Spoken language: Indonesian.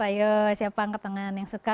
ayo siapa yang ketengan yang suka